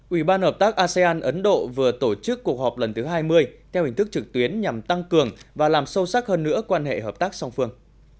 ủy ban hợp tác asean ấn độ vừa tổ chức cuộc họp lần thứ hai mươi theo hình thức trực tuyến nhằm tăng cường và làm sâu sắc hơn nữa quan hệ hợp tác song phương